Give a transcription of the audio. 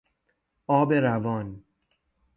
آب روان